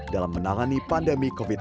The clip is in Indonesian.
dalam menangani pandemi covid sembilan belas